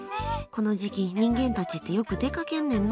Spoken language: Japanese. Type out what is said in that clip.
この時期、人間たちってよく出かけんねんな。